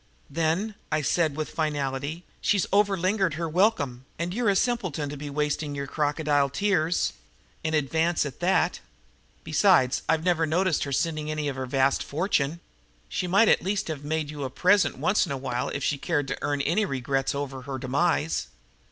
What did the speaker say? "Then," I said with finality, "she's overlingered her welcome, and you're a simpleton to be wasting your crocodile tears in advance, at that. Besides, I've never noticed her sending you any of her vast fortune. She might at least have made you a present once in a while if she cared to earn any regrets over her demise."